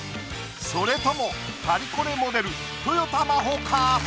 それともパリコレモデルとよた真帆か？